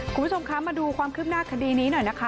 คุณผู้ชมคะมาดูความคืบหน้าคดีนี้หน่อยนะคะ